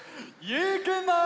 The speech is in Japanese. ゆうくん！